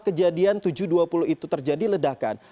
kejadian tujuh dua puluh itu terjadi ledakan